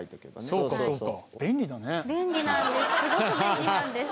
そうかそうか便利なんです